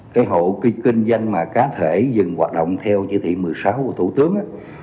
cái hộ kinh doanh mà cá thể dừng hoạt động theo chỉ thị một mươi sáu của thủ tướng